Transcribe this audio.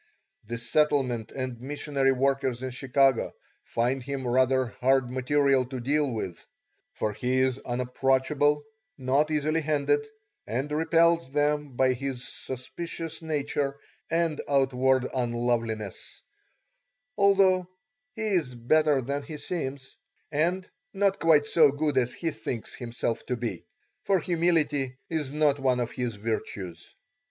The settlement and missionary workers in Chicago find him rather hard material to deal with, for he is unapproachable, not easily handled, and repels them by his suspicious nature and outward unloveliness, although he is better than he seems, and not quite so good as he thinks himself to be, for humility is not one of his virtues.